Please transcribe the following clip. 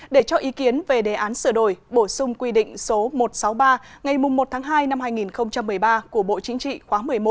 để cho ý kiến về đề án sửa đổi bổ sung quy định số một trăm sáu mươi ba ngày một tháng hai năm hai nghìn một mươi ba của bộ chính trị khóa một mươi một